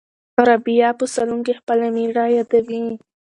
رابعه په صالون کې خپله مېړه یادوي.